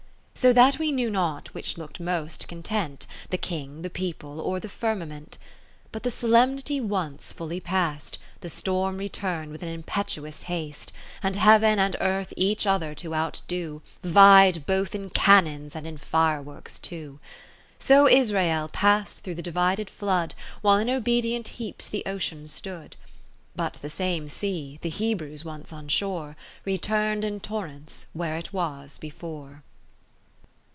So that we knew not which look'd most content. The King, the people, or the firma ment. 10 But the solemnity once fully past. The storm return'd with an impetu ous haste And Heav'n and Earth each other to out do, Vied both in cannons and in fire works too. So Israel past through the divided flood, While in obedient heaps the Ocean stood : But the same sea (the Hebrews once on shore) Return'd in torrents where it was before.